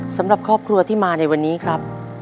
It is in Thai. สำหรับครอบครัวที่มาในวันนี้ครับ